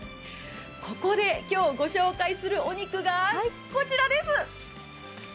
ここで今日、ご紹介するお肉がこちらです。